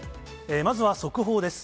まずは速報です。